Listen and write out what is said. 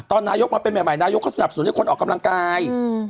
นายกมาเป็นใหม่นายกเขาสนับสนุนให้คนออกกำลังกาย